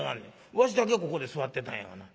わしだけここで座ってたんやがな。